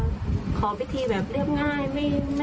แล้วก็เอ็นดูรักเราแบบนี้ก็ดีใจครับค่ะ